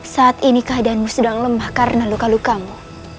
saat ini keadaanmu sedang lemah karena luka lukamu